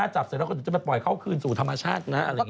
จับแล้วจะปล่อยเข้าคืนธรรมชาติอะไรแบบเนี่ย